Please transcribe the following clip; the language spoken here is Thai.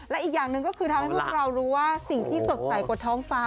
และอีกอย่างหนึ่งก็คือทำให้พวกเรารู้ว่าสิ่งที่สดใสกว่าท้องฟ้า